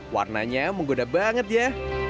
warnanya menggoda banget ya